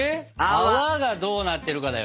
泡がどうなってるかだよね。